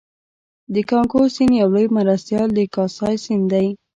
د کانګو سیند یو لوی مرستیال د کاسای سیند دی